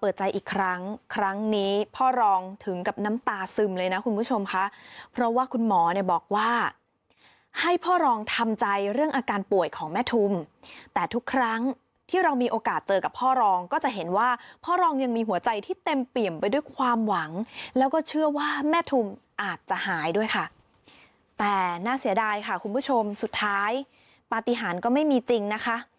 เปิดใจอีกครั้งครั้งนี้พ่อรองถึงกับน้ำตาซึมเลยนะคุณผู้ชมค่ะเพราะว่าคุณหมอเนี่ยบอกว่าให้พ่อรองทำใจเรื่องอาการป่วยของแม่ทุมแต่ทุกครั้งที่เรามีโอกาสเจอกับพ่อรองก็จะเห็นว่าพ่อรองยังมีหัวใจที่เต็มเปี่ยมไปด้วยความหวังแล้วก็เชื่อว่าแม่ทุมอาจจะหายด้วยค่ะแต่น่าเสียดายค่ะคุณผู้ชมสุดท้ายปฏิหารก็ไม่มีจริงนะคะ